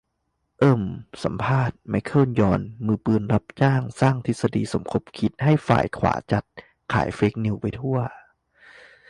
เอิ่ม สัมภาษณ์ ไมเคิล ยอน มือปืนรับจ้างสร้างทฤษฎีสมคบคิดให้ฝ่ายขวาจัด ขายเฟคนิวส์ไปทั่ว